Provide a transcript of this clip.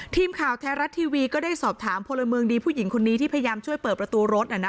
ทีมข่าวไทยรัฐทีวีก็ได้สอบถามพลเมืองดีผู้หญิงคนนี้ที่พยายามช่วยเปิดประตูรถ